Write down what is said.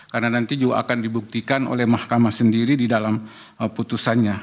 karena nanti juga akan dibuktikan oleh mahkamah sendiri di dalam putusannya